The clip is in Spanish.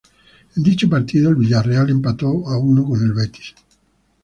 En dicho partido, el Villarreal empató a uno con el Betis.